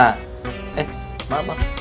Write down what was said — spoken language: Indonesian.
eh maaf pak